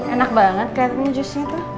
enak banget kayaknya jusnya tuh